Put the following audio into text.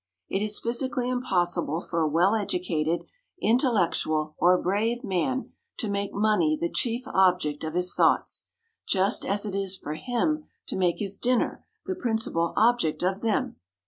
It is physically impossible for a well educated, intellectual, or brave man to make money the chief object of his thoughts; just as it is for him to make his dinner the principal object of them.